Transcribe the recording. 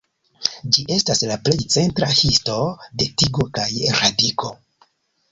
Ĝi estas la plej centra histo de tigo kaj radiko.